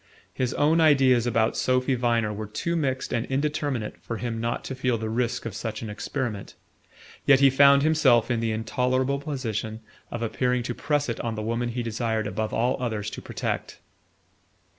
His own ideas about Sophy Viner were too mixed and indeterminate for him not to feel the risk of such an experiment; yet he found himself in the intolerable position of appearing to press it on the woman he desired above all others to protect...